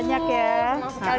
makasih banyak ya